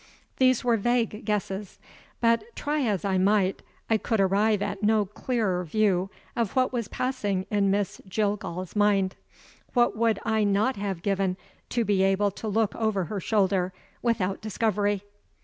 These were vague guesses; but, try as I might, I could arrive at no clearer view of what was passing in Miss Jillgall's mind. What would I not have given to be able to look over her shoulder, without discovery!